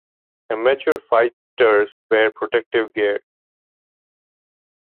Amateur fighters wear protective gear.